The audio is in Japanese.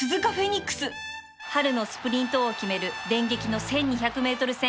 春のスプリント王を決める連撃の １，２００ｍ 戦